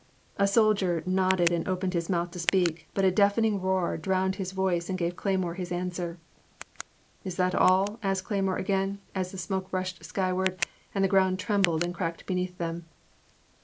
A soldier nodded and opened his mouth to speak, but a deafening roar drowned his voice and gave Cleymore his answer. '* Is that all ?" asked Cleymore again, as the 2o8 In the Name of the Most High. smoke rushed sksrward, and the ground trembled and cracked beneath them.